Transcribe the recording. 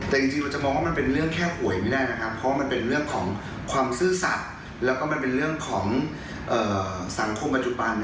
แต่จริงเราจะมองว่ามันเป็นเรื่องแค่หวยไม่ได้นะครับเพราะว่ามันเป็นเรื่องของความซื่อสัตว์แล้วก็มันเป็นเรื่องของสังคมปัจจุบัน